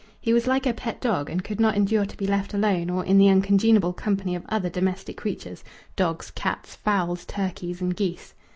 He was like a pet dog and could not endure to be left alone or in the uncongenial company of other domestic creatures dogs, cats, fowls, turkeys, and geese.